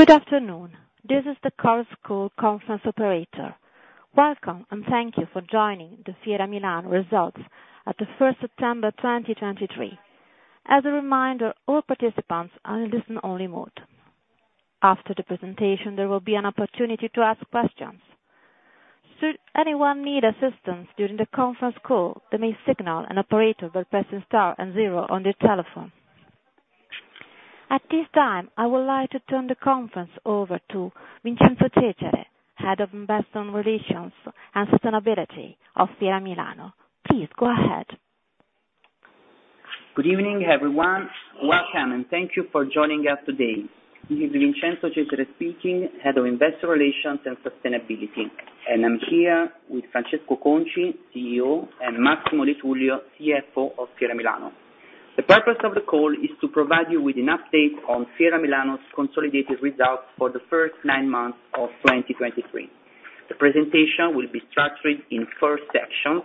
Good afternoon. This is the Carsco Conference Operator. Welcome and thank you for joining the Fiera Milano results at the 1st of September 2023. As a reminder, all participants are in listen-only mode. After the presentation, there will be an opportunity to ask questions. Should anyone need assistance during the conference call, they may signal an operator by pressing star and zero on their telephone. At this time, I would like to turn the conference over to Vincenzo Cecere, Head of Investment Relations and Sustainability of Fiera Milano. Please go ahead. Good evening, everyone. Welcome and thank you for joining us today. This is Vincenzo Cecere speaking, Head of Investment Relations and Sustainability, and I'm here with Francesco Conci, CEO, and Massimo De Tullio, CFO of Fiera Milano. The purpose of the call is to provide you with an update on Fiera Milano's consolidated results for the first nine months of 2023. The presentation will be structured in four sections.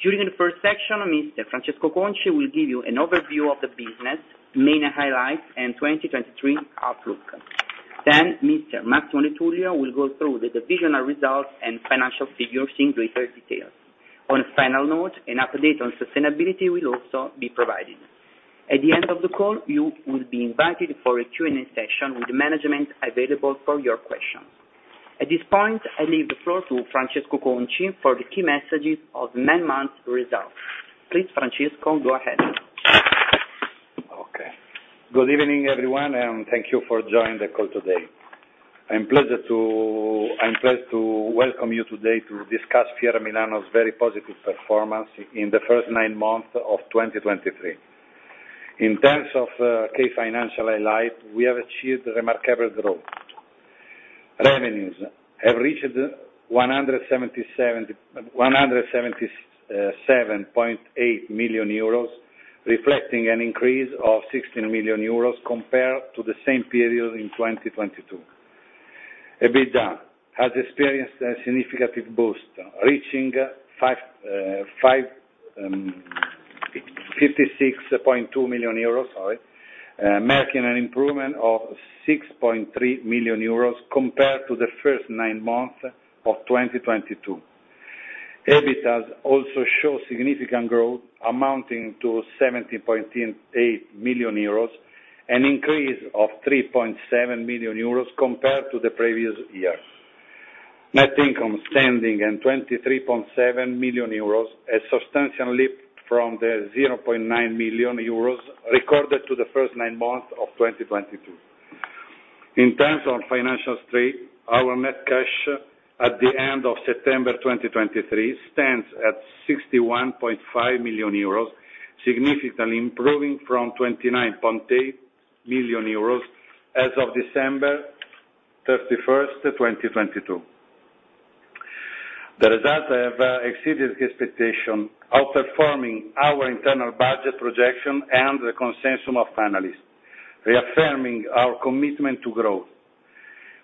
During the first section, Mr. Francesco Conci will give you an overview of the business, main highlights, and 2023 outlook. Mr. Massimo De Tullio will go through the divisional results and financial figures in greater detail. On a final note, an update on sustainability will also be provided. At the end of the call, you will be invited for a Q&A session with management available for your questions. At this point, I leave the floor to Francesco Conci for the key messages of nine months' results. Please, Francesco, go ahead. Okay. Good evening, everyone, and thank you for joining the call today. I'm pleased to welcome you today to discuss Fiera Milano's very positive performance in the first nine months of 2023. In terms of key financial highlights, we have achieved remarkable growth. Revenues have reached 177.8 million euros, reflecting an increase of 16 million euros compared to the same period in 2022. EBITDA has experienced a significant boost, reaching 56.2 million euros, marking an improvement of 6.3 million euros compared to the first nine months of 2022. EBITDA also shows significant growth, amounting to 17.8 million euros and an increase of 3.7 million euros compared to the previous year. Net income standing at 23.7 million euros has substantially leaped from the 0.9 million euros recorded to the first nine months of 2022. In terms of financial stream, our net cash at the end of September 2023 stands at 61.5 million euros, significantly improving from 29.8 million euros as of December 31, 2022. The results have exceeded expectations, outperforming our internal budget projection and the consensus of analysts, reaffirming our commitment to growth.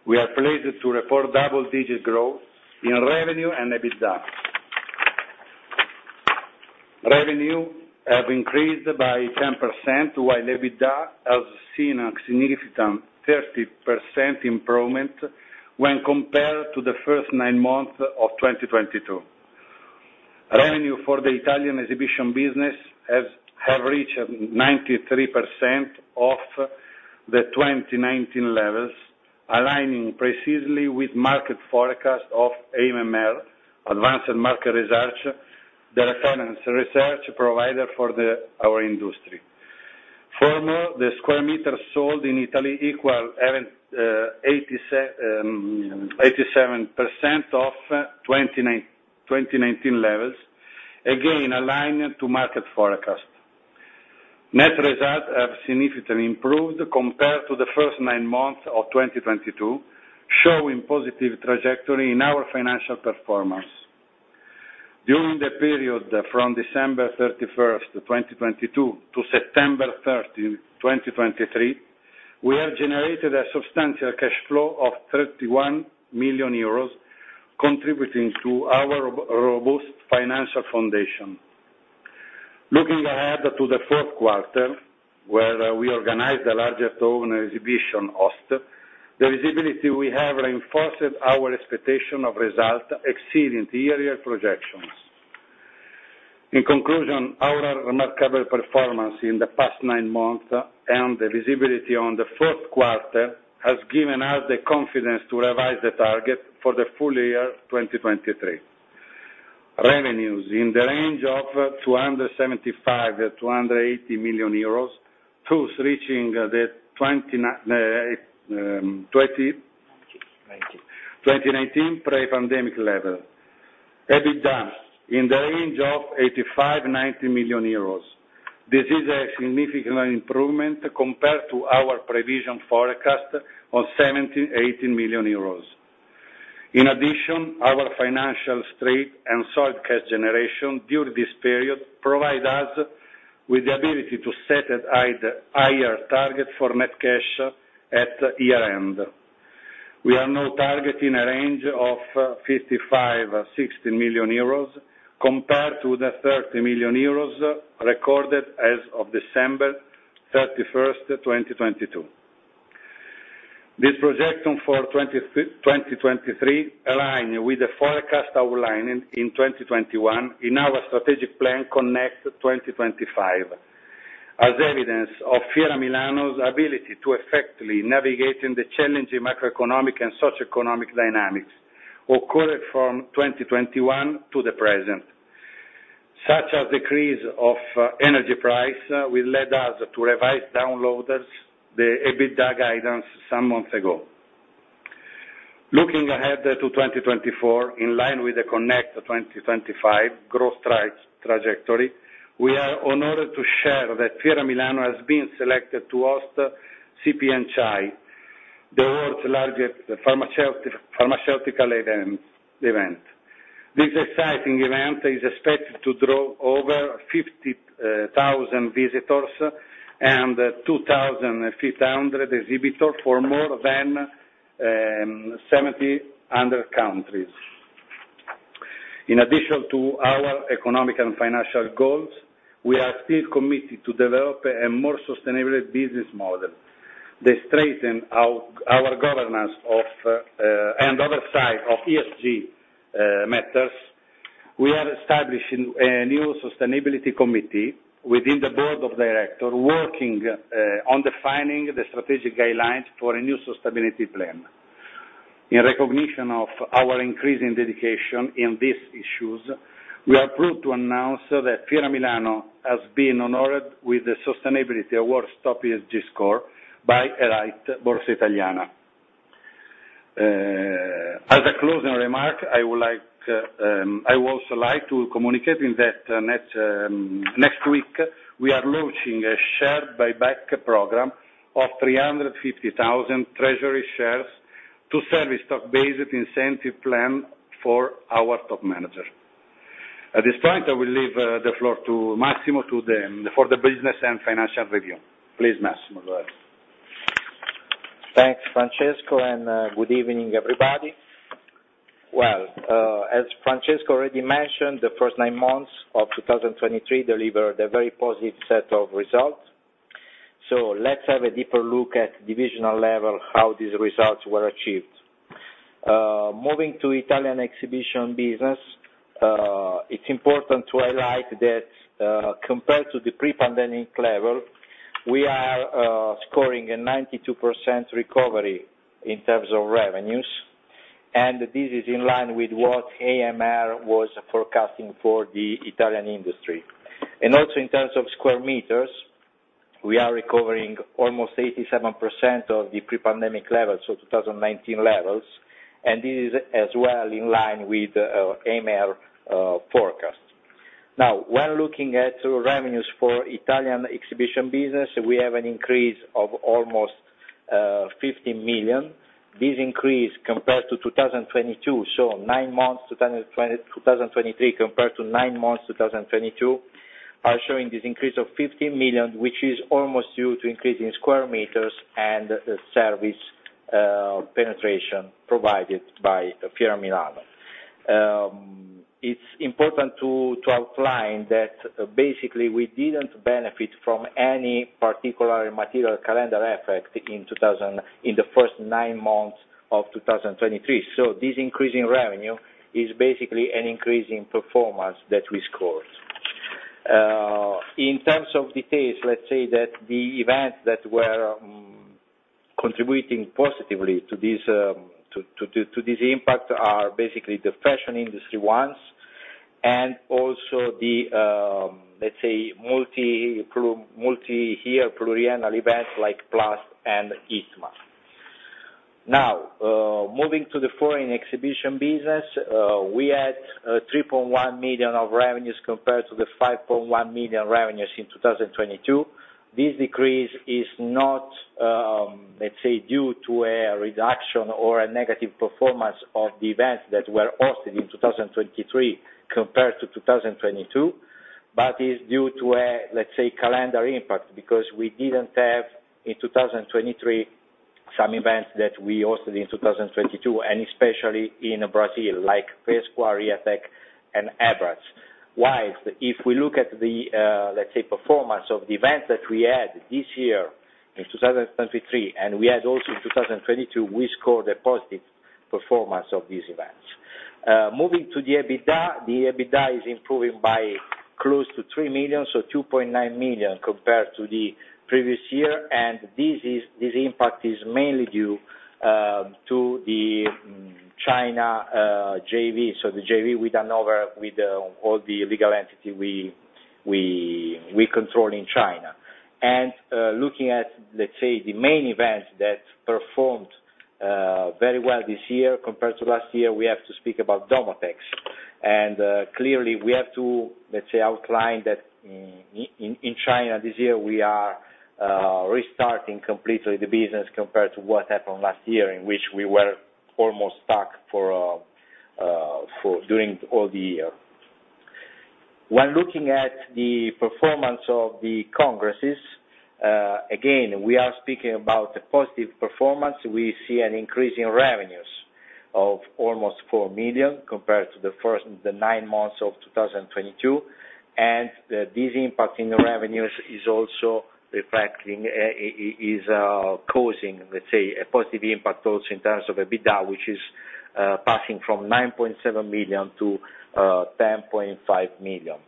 We are pleased to report double-digit growth in revenue and EBITDA. Revenue has increased by 10%, while EBITDA has seen a significant 30% improvement when compared to the first nine months of 2022. Revenue for the Italian exhibition business has reached 93% of the 2019 levels, aligning precisely with market forecasts of AMMR, Advanced Market Research, the reference research provider for our industry. Furthermore, the square meters sold in Italy equal 87% of 2019 levels, again aligned to market forecasts. Net results have significantly improved compared to the first nine months of 2022, showing a positive trajectory in our financial performance. During the period from December 31, 2022, to September 30, 2023, we have generated a substantial cash flow of 31 million euros, contributing to our robust financial foundation. Looking ahead to the fourth quarter, where we organized the largest open exhibition HOST, the visibility we have reinforced our expectation of results exceeding the earlier projections. In conclusion, our remarkable performance in the past nine months and the visibility on the fourth quarter has given us the confidence to revise the target for the full year 2023. Revenues in the range of 275-280 million euros, thus reaching the 2019 pre-pandemic level. EBITDA in the range of 85-90 million euros. This is a significant improvement compared to our provision forecast of 17-18 million euros. In addition, our financial stream and solid cash generation during this period provide us with the ability to set a higher target for net cash at year-end. We are now targeting a range of 55 million-60 million euros compared to the 30 million euros recorded as of December 31, 2022. This projection for 2023 aligns with the forecast outlined in 2021 in our Strategic Plan Connect 2025, as evidence of Fiera Milano's ability to effectively navigate the challenging macroeconomic and socioeconomic dynamics occurring from 2021 to the present. Such as the decrease of energy prices will lead us to revise downloaders' EBITDA guidance some months ago. Looking ahead to 2024, in line with the Connect 2025 growth trajectory, we are honored to share that Fiera Milano has been selected to host CPMCHI, the world's largest pharmaceutical event. This exciting event is expected to draw over 50,000 visitors and 2,500 exhibitors from more than 700 countries. In addition to our economic and financial goals, we are still committed to develop a more sustainable business model. They strengthen our governance and oversight of ESG matters. We are establishing a new sustainability committee within the board of directors working on defining the strategic guidelines for a new sustainability plan. In recognition of our increasing dedication in these issues, we are proud to announce that Fiera Milano has been honored with the Sustainability Awards Top ESG Score by Borsa Italiana. As a closing remark, I would also like to communicate that next week we are launching a share buyback program of 350,000 Treasury shares to serve a stock-based incentive plan for our top manager. At this point, I will leave the floor to Massimo for the business and financial review. Please, Massimo, go ahead. Thanks, Francesco, and good evening, everybody. As Francesco already mentioned, the first nine months of 2023 delivered a very positive set of results. Let's have a deeper look at divisional level how these results were achieved. Moving to Italian exhibition business, it's important to highlight that compared to the pre-pandemic level, we are scoring a 92% recovery in terms of revenues, and this is in line with what AMR was forecasting for the Italian industry. Also, in terms of square meters, we are recovering almost 87% of the pre-pandemic levels, so 2019 levels, and this is as well in line with AMR forecast. Now, when looking at revenues for Italian exhibition business, we have an increase of almost 15 million. This increase compared to 2022, so nine months 2023 compared to nine months 2022, are showing this increase of 15 million, which is almost due to increasing square meters and service penetration provided by Fiera Milano. It's important to outline that basically we didn't benefit from any particular material calendar effect in the first nine months of 2023. This increase in revenue is basically an increase in performance that we scored. In terms of details, let's say that the events that were contributing positively to this impact are basically the fashion industry ones and also the, let's say, multi-year pluriannual events like PLUST and ITMA. Now, moving to the foreign exhibition business, we had 3.1 million of revenues compared to the 5.1 million revenues in 2022. This decrease is not, let's say, due to a reduction or a negative performance of the events that were hosted in 2023 compared to 2022, but is due to a, let's say, calendar impact because we didn't have in 2023 some events that we hosted in 2022, and especially in Brazil, like PESCO, RIATEC, and EBRATS. While if we look at the, let's say, performance of the events that we had this year in 2023 and we had also in 2022, we scored a positive performance of these events. Moving to the EBITDA, the EBITDA is improving by close to 3 million, so 2.9 million compared to the previous year, and this impact is mainly due to the China JV, so the JV we done over with all the legal entities we control in China. Looking at, let's say, the main events that performed very well this year compared to last year, we have to speak about Domotex. Clearly, we have to, let's say, outline that in China this year we are restarting completely the business compared to what happened last year, in which we were almost stuck during all the year. When looking at the performance of the congresses, again, we are speaking about a positive performance. We see an increase in revenues of almost 4 million compared to the nine months of 2022, and this impact in revenues is also reflecting, is causing, let's say, a positive impact also in terms of EBITDA, which is passing from 9.7 million to 10.5 million.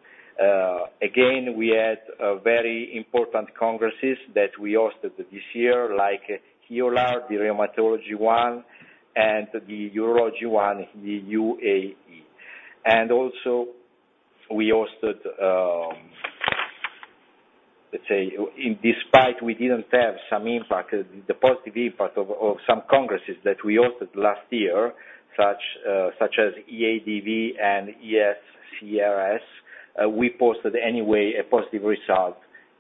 Again, we had very important congresses that we hosted this year, like HIOLA, the Rheumatology One, and the Urology One, the UAE. We hosted, let's say, despite we didn't have some impact, the positive impact of some congresses that we hosted last year, such as EADV and ESCRS, we posted anyway a positive result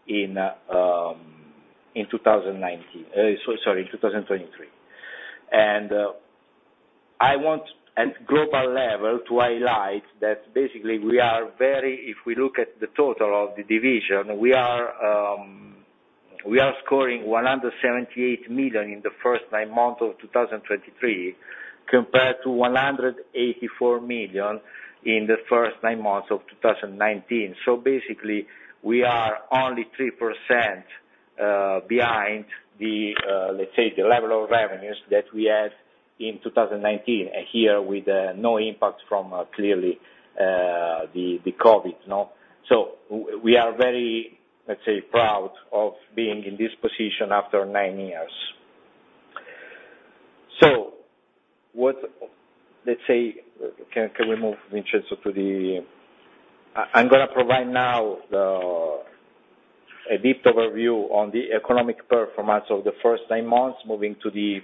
in 2023. I want, at global level, to highlight that basically we are very, if we look at the total of the division, we are scoring 178 million in the first nine months of 2023 compared to 184 million in the first nine months of 2019. Basically we are only 3% behind the, let's say, the level of revenues that we had in 2019 here with no impact from clearly the COVID. We are very, let's say, proud of being in this position after nine years. Let's say, can we move Vincenzo to the I'm going to provide now a deep overview on the economic performance of the first nine months moving to the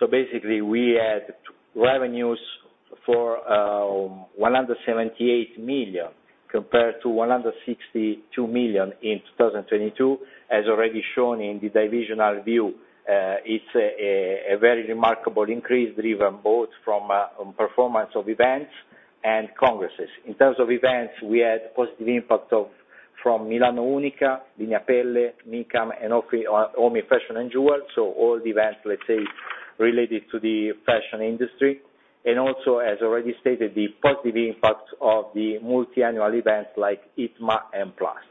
P&L. Basically, we had revenues for 178 million compared to 162 million in 2022, as already shown in the divisional view. It's a very remarkable increase driven both from performance of events and congresses. In terms of events, we had positive impact from Milano Unica, Linea Pelle, MICAM, and Omni Fashion & Jewels, so all the events, let's say, related to the fashion industry, and also, as already stated, the positive impact of the multi-annual events like ITMA and PLUST.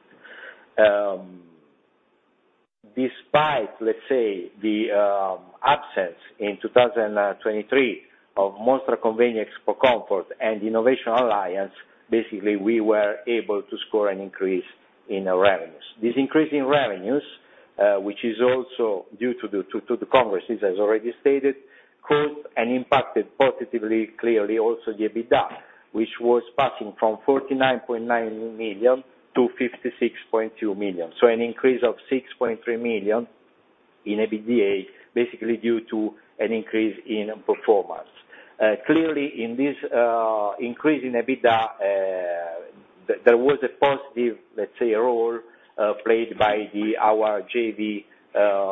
Despite, let's say, the absence in 2023 of Mostra Convegno Expocomfort and Innovation Alliance, basically we were able to score an increase in revenues. This increase in revenues, which is also due to the congresses, as already stated, could and impacted positively clearly also the EBITDA, which was passing from 49.9 million to 56.2 million. An increase of 6.3 million in EBITDA, basically due to an increase in performance. Clearly, in this increase in EBITDA, there was a positive, let's say, role played by our JV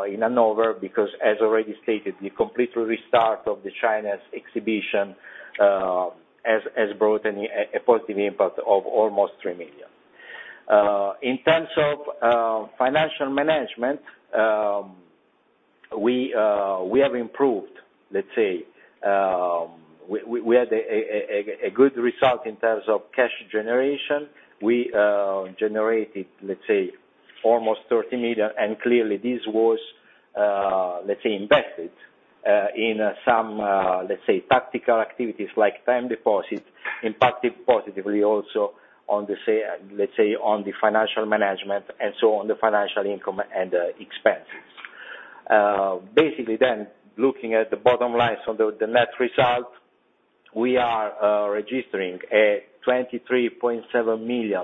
in Hanover because, as already stated, the complete restart of the China's exhibition has brought a positive impact of almost 3 million. In terms of financial management, we have improved, let's say, we had a good result in terms of cash generation. We generated, let's say, almost 30 million, and clearly this was, let's say, invested in some, let's say, tactical activities like time deposit, impacted positively also on the, let's say, on the financial management and on the financial income and expenses. Basically then, looking at the bottom lines of the net result, we are registering a 23.7 million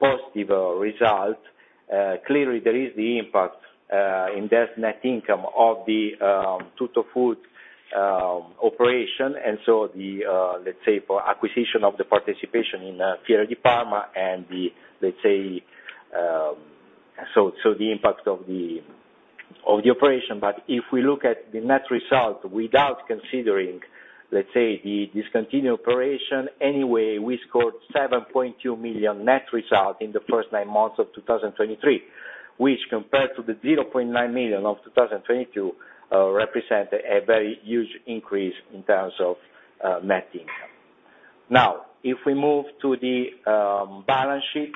positive result. Clearly, there is the impact in that net income of the Tutto Foods operation, and so the, let's say, for acquisition of the participation in Fiera di Parma and the, let's say, so the impact of the operation. If we look at the net result without considering, let's say, the discontinued operation, anyway, we scored 7.2 million net result in the first nine months of 2023, which compared to the 0.9 million of 2022 represents a very huge increase in terms of net income. Now, if we move to the balance sheet,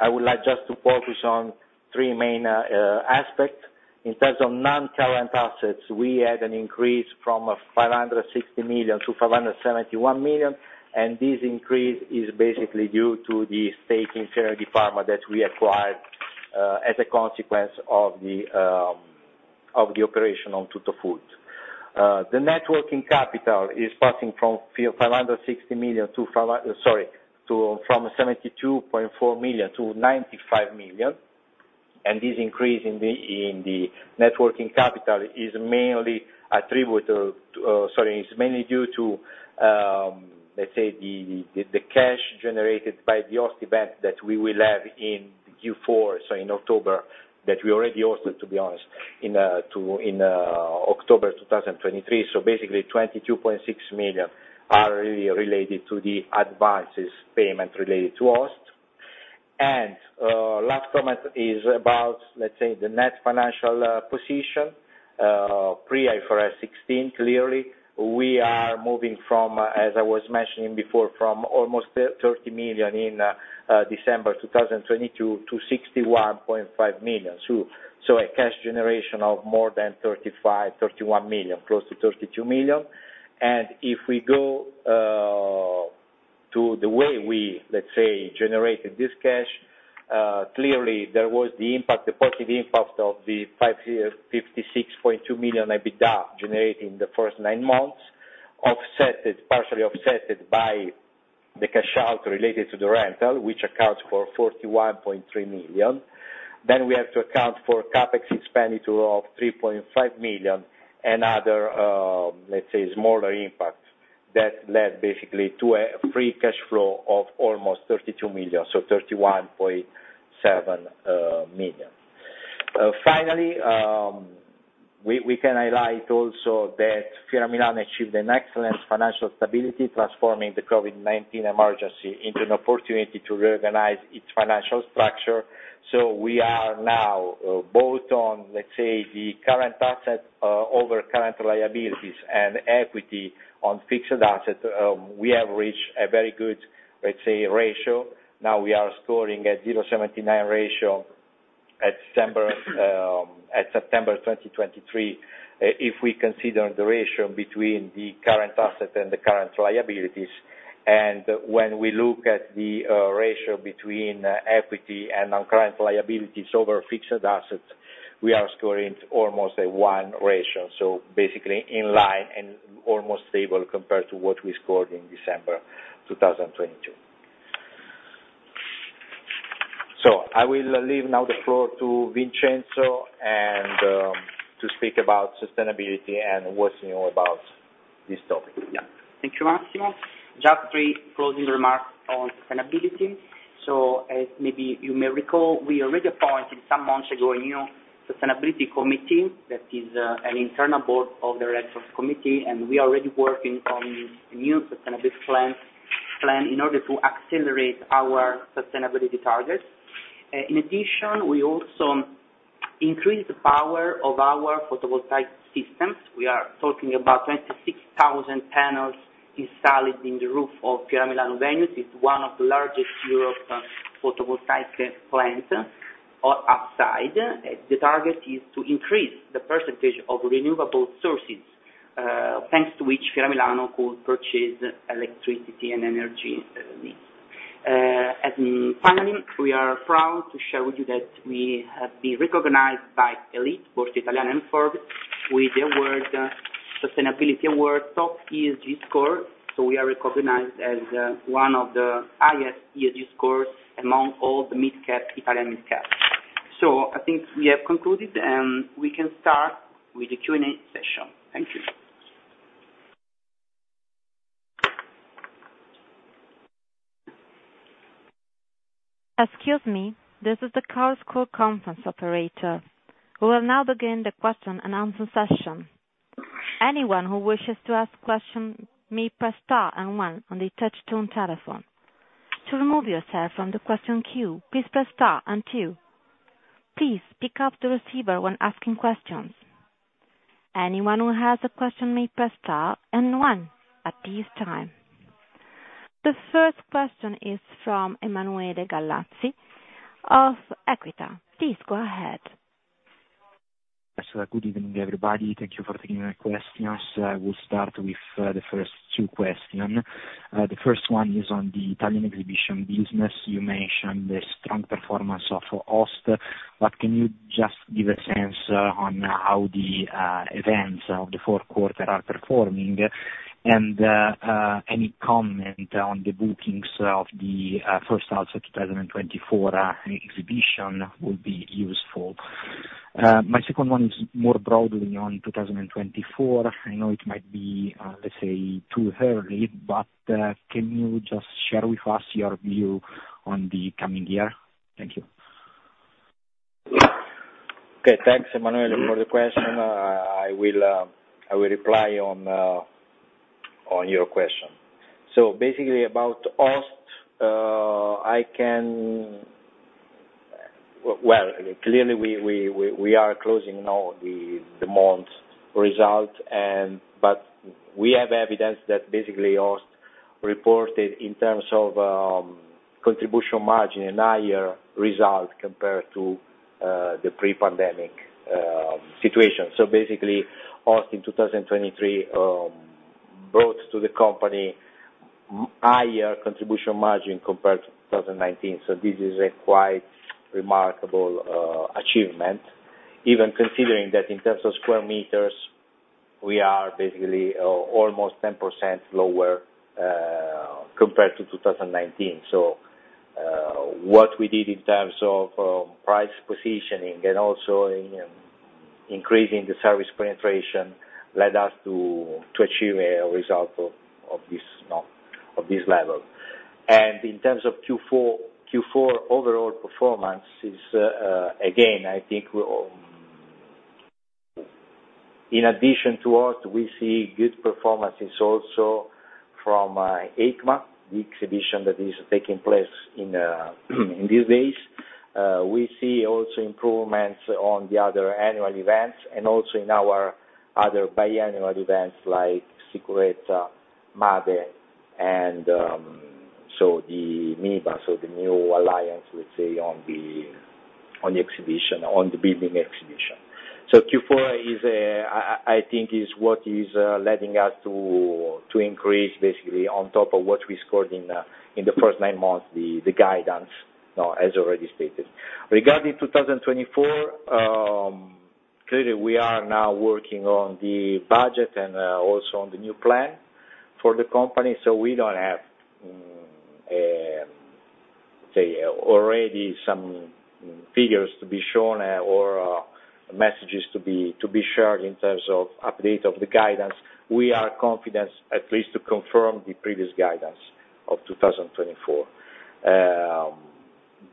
I would like just to focus on three main aspects. In terms of non-current assets, we had an increase from 560 million to 571 million, and this increase is basically due to the stake in Fiera di Parma that we acquired as a consequence of the operation on Tutto Foods. The networking capital is passing from 72.4 million to 95 million, and this increase in the networking capital is mainly attributable to, sorry, is mainly due to, let's say, the cash generated by the HOST event that we will have in Q4, so in October that we already hosted, to be honest, in October 2023. Basically, 22.6 million are really related to the advances payment related to HOST. Last comment is about, let's say, the net financial position pre-IFRS 16. Clearly, we are moving from, as I was mentioning before, from almost 30 million in December 2022 to 61.5 million, so a cash generation of more than 35, 31 million, close to 32 million. If we go to the way we, let's say, generated this cash, clearly there was the impact, the positive impact of the 56.2 million EBITDA generated in the first nine months, partially offset by the cash out related to the rental, which accounts for 41.3 million. We have to account for CapEx expenditure of 3.5 million and other, let's say, smaller impacts that led basically to a free cash flow of almost 32 million, so 31.7 million. Finally, we can highlight also that Fiera Milano achieved an excellent financial stability, transforming the COVID-19 emergency into an opportunity to reorganize its financial structure. We are now both on, let's say, the current asset over current liabilities and equity on fixed assets. We have reached a very good, let's say, ratio. Now we are scoring at 0.79 ratio at September 2023 if we consider the ratio between the current asset and the current liabilities. When we look at the ratio between equity and non-current liabilities over fixed assets, we are scoring almost a 1 ratio, so basically in line and almost stable compared to what we scored in December 2022. I will leave now the floor to Vincenzo to speak about sustainability and what's new about this topic. Yeah. Thank you, Massimo. Just three closing remarks on sustainability. As maybe you may recall, we already appointed some months ago a new sustainability committee that is an internal board of the directors committee, and we are already working on a new sustainability plan in order to accelerate our sustainability targets. In addition, we also increased the power of our photovoltaic systems. We are talking about 26,000 panels installed in the roof of Fiera Milano venues. It is one of the largest Europe photovoltaic plants outside. The target is to increase the percentage of renewable sources thanks to which Fiera Milano could purchase electricity and energy needs. Finally, we are proud to share with you that we have been recognized by ELITE, both Italian and foreign, with the award Sustainability Award Top ESG Score. We are recognized as one of the highest ESG scores among all the mid-cap, Italian mid-caps. I think we have concluded, and we can start with the Q&A session. Thank you. Excuse me, this is the Carsco Conference Operator. We will now begin the question and answer session. Anyone who wishes to ask a question may press star and one on the touch-tone telephone. To remove yourself from the question queue, please press star and two. Please pick up the receiver when asking questions. Anyone who has a question may press star and one at this time. The first question is from Emanuele Gallazzi of Equita. Please go ahead. Good evening, everybody. Thank you for taking my questions. We'll start with the first two questions. The first one is on the Italian exhibition business. You mentioned the strong performance of HOST. Can you just give a sense on how the events of the fourth quarter are performing? Any comment on the bookings of the first half of 2024 exhibition would be useful. My second one is more broadly on 2024. I know it might be, let's say, too early, but can you just share with us your view on the coming year? Thank you. Okay. Thanks, Emanuele, for the question. I will reply on your question. Basically about HOST, I can, clearly we are closing now the month result, but we have evidence that basically HOST reported in terms of contribution margin a higher result compared to the pre-pandemic situation. Basically HOST in 2023 brought to the company higher contribution margin compared to 2019. This is a quite remarkable achievement, even considering that in terms of square meters, we are basically almost 10% lower compared to 2019. What we did in terms of price positioning and also increasing the service penetration led us to achieve a result of this level. In terms of Q4 overall performance, again, I think in addition to HOST, we see good performances also from EICMA, the exhibition that is taking place in these days. We see also improvements on the other annual events and also in our other biannual events like Sicurezza, Made, and so the MIBA, so the new alliance, let's say, on the exhibition, on the building exhibition. Q4, I think, is what is letting us to increase basically on top of what we scored in the first nine months, the guidance, as already stated. Regarding 2024, clearly we are now working on the budget and also on the new plan for the company. We do not have, let's say, already some figures to be shown or messages to be shared in terms of update of the guidance. We are confident at least to confirm the previous guidance of 2024,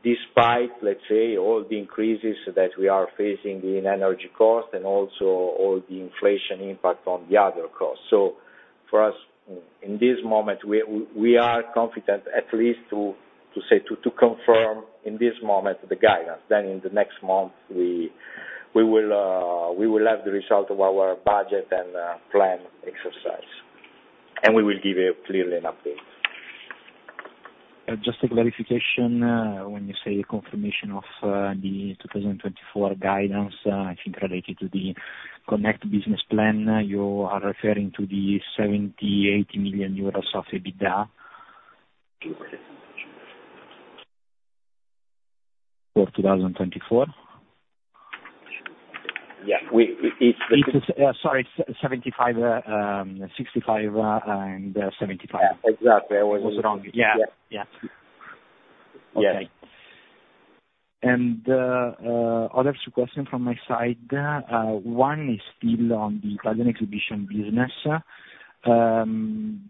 despite, let's say, all the increases that we are facing in energy cost and also all the inflation impact on the other costs. For us, in this moment, we are confident at least to say to confirm in this moment the guidance. In the next month, we will have the result of our budget and plan exercise, and we will give you clearly an update. Just a clarification, when you say confirmation of the 2024 guidance, I think related to the Connect Business Plan, you are referring to the 70 million-80 million euros of EBITDA for 2024? Yeah. Sorry, 65 and 75. Yeah. Exactly. I was wrong. Yeah. Yeah. Okay. Other two questions from my side. One is still on the Italian exhibition business.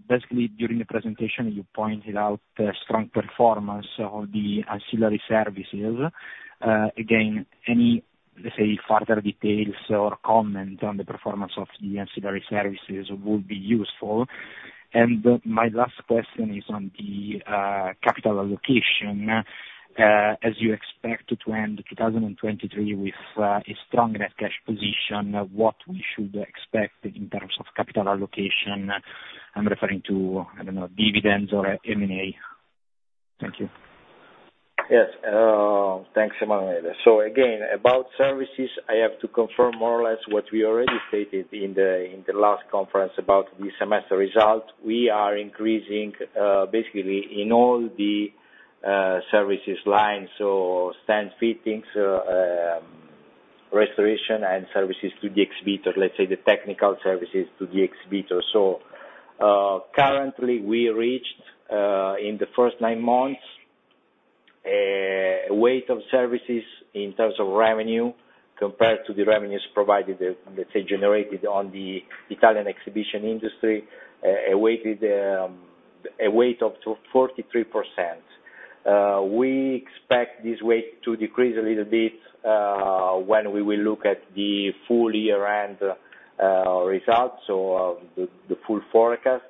Basically, during the presentation, you pointed out the strong performance of the ancillary services. Again, any, let's say, further details or comment on the performance of the ancillary services would be useful. My last question is on the capital allocation. As you expect to end 2023 with a strong net cash position, what should we expect in terms of capital allocation? I'm referring to, I don't know, dividends or M&A. Thank you. Yes. Thanks, Emanuele. Again, about services, I have to confirm more or less what we already stated in the last conference about the semester result. We are increasing basically in all the services lines, so stand fittings, restoration, and services to the exhibitor, let's say the technical services to the exhibitor. Currently, we reached in the first nine months a weight of services in terms of revenue compared to the revenues provided, let's say, generated on the Italian exhibition industry, a weight of 43%. We expect this weight to decrease a little bit when we will look at the full year-end result, so the full forecast,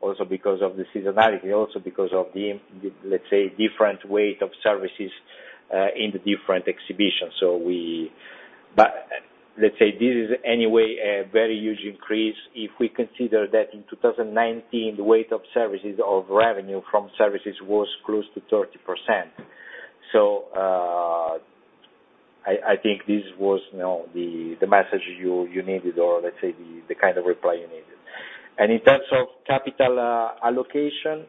also because of the seasonality, also because of the, let's say, different weight of services in the different exhibitions. Let's say this is anyway a very huge increase if we consider that in 2019, the weight of services or revenue from services was close to 30%. I think this was the message you needed or, let's say, the kind of reply you needed. In terms of capital allocation,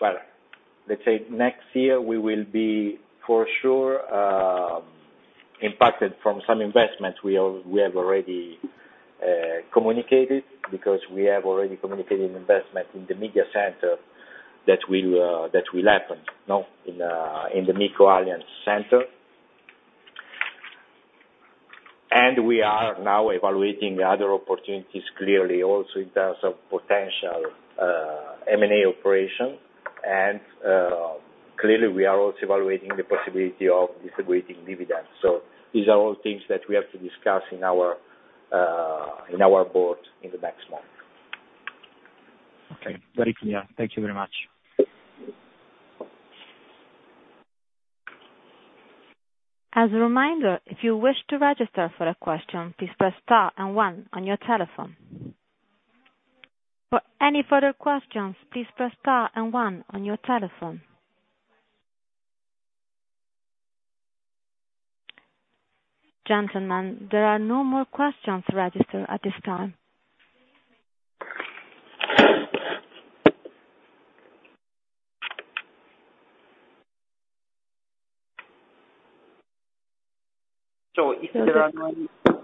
let's say next year we will be for sure impacted from some investments. We have already communicated because we have already communicated investment in the media center that will happen in the MICO Alliance Center. We are now evaluating other opportunities clearly also in terms of potential M&A operation. We are also evaluating the possibility of disaggregating dividends. These are all things that we have to discuss in our board in the next month. Okay. Very clear. Thank you very much. As a reminder, if you wish to register for a question, please press star and one on your telephone. For any further questions, please press star and one on your telephone. Gentlemen, there are no more questions registered at this time. If there are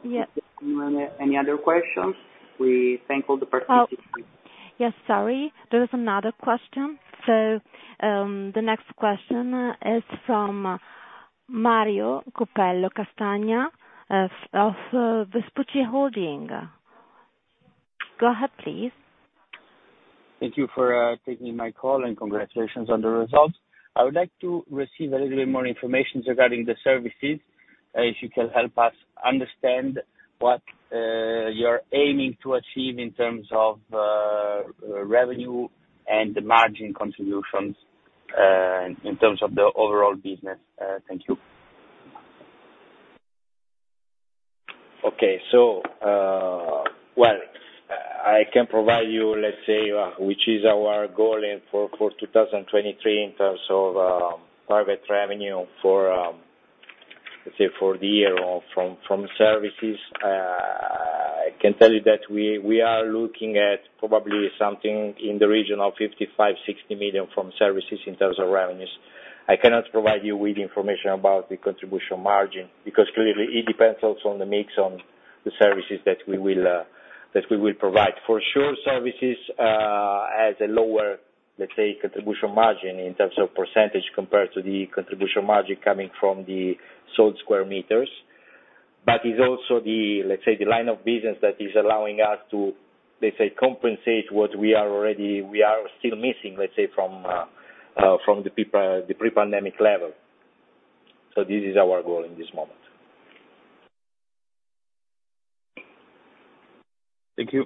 no any other questions, we thank all the participants. Yes. Sorry. There was another question. The next question is from Mario Cupello Castagna of Vespucci Holding. Go ahead, please. Thank you for taking my call and congratulations on the results. I would like to receive a little bit more information regarding the services if you can help us understand what you're aiming to achieve in terms of revenue and margin contributions in terms of the overall business. Thank you. Okay. I can provide you, let's say, which is our goal for 2023 in terms of private revenue for, let's say, for the year from services. I can tell you that we are looking at probably something in the region of 55 million-60 million from services in terms of revenues. I cannot provide you with information about the contribution margin because clearly it depends also on the mix on the services that we will provide. For sure, services has a lower, let's say, contribution margin in terms of percentage compared to the contribution margin coming from the sold square meters. But it's also the, let's say, the line of business that is allowing us to, let's say, compensate what we are still missing, let's say, from the pre-pandemic level. This is our goal in this moment. Thank you.